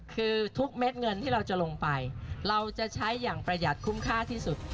คือทุกเม็ดเงินที่เราจะลงไปเราจะใช้อย่างประหยัดคุ้มค่าที่สุด